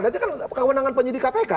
berarti kan kewenangan penyidik kpk